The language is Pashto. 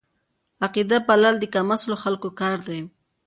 عقده پالل د کم اصلو خلکو کار دی.